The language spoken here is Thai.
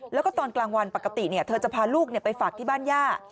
แล้วก็ตอนกลางวันปกติเธอจะพาลูกไปฝากที่บ้านย่า